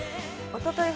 おととい